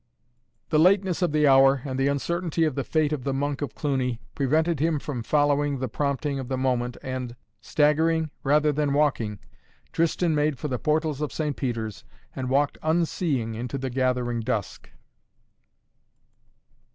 The lateness of the hour and the uncertainty of the fate of the Monk of Cluny prevented him from following the prompting of the moment and, staggering rather than walking, Tristan made for the portals of St. Peter's and walked unseeing into the gathering dusk.